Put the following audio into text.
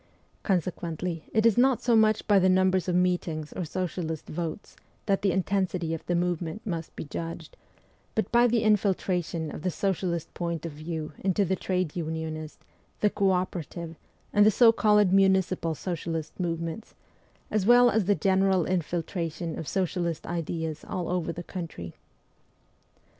Consequently it is not so much by the numbers of meetings or socialist votes that the intensity of the movement must be judged, but by the infiltration of the socialist point of view into the trade unionist, the co operative, and the so called municipal socialist movements, as well as the general infiltration of socialist ideas all over the country.